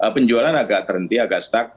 penjualan agak terhenti agak stuck